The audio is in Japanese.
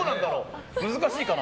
難しいかな。